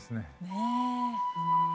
ねえ。